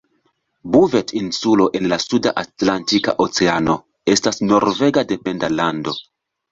Buvet-Insulo en la suda Atlantika Oceano estas norvega dependa lando.